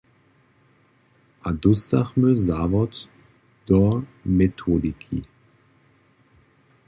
A dóstachmy zawod do metodiki.